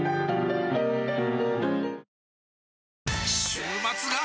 週末が！！